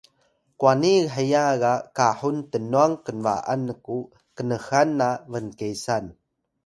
kwani heya ga kahun tnwang knba’an nku knxan na bnkesan